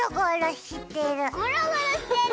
ゴロゴロしてる。